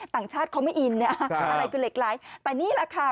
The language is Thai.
ต่างชาติเขาไม่อินอะไรคือเหล็กไหลแต่นี่แหละค่ะ